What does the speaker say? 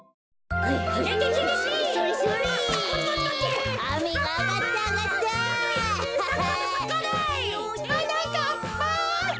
はなかっぱ！ん？